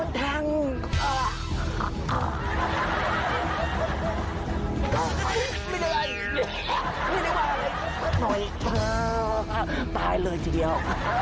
ตายเลยทีเดียว